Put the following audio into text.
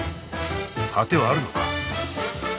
果てはあるのか？